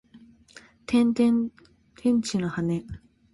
ててんてん天使の羽！